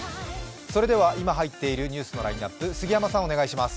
それでは、今入っているニュースのラインナップ、杉山さん、お願いします。